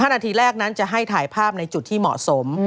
นาทีแรกนั้นจะให้ถ่ายภาพในจุดที่เหมาะสม